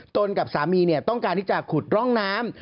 กับสามีต้องการที่จะขุดร่องน้ำ